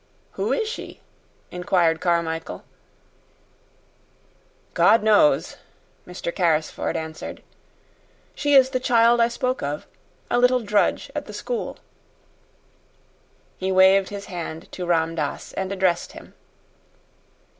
"Who is she?" inquired Mr. Carmichael. "God knows," Mr. Carrrisford answered. "She is the child I spoke of. A little drudge at the school." He waved his hand to Ram Dass, and addressed him.